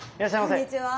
こんにちは。